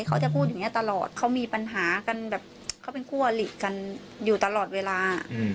เขาจะพูดอย่างนี้ตลอดเขามีปัญหากันแบบเขาเป็นคู่อลิกันอยู่ตลอดเวลา